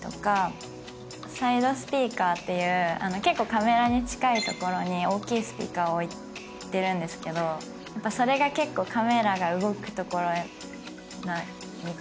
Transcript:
サイドスピーカーっていう結構カメラに近いところに大きいスピーカーを置いてるんですけどそれがカメラが動くところにかぶりやすいというか。